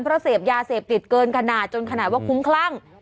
เพราะเสพยาเสพติดเกินขนาดจนขนาดว่าคุ้มคลั่ง